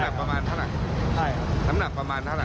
เรียกว่ายอมพลิสเตอร์เหล็กน้ำหนักประมาณนะ